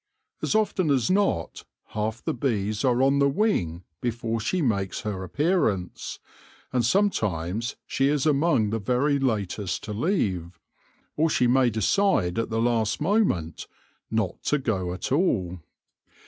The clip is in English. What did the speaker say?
As often as not half the bees are on the wing before she makes her appearance, and some times she is among the very latest to leave, or she may decide at the last moment not to go at all.